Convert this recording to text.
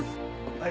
はい。